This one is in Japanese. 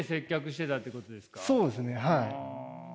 そうですねはい。